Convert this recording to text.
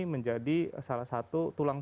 menjadi salah satu tulang